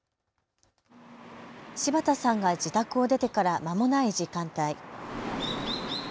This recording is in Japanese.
柴田さんが自宅を出てからまもない時間帯。